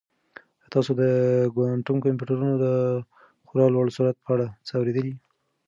آیا تاسو د کوانټم کمپیوټرونو د خورا لوړ سرعت په اړه څه اورېدلي؟